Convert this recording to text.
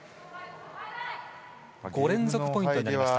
５連続ポイントになりました。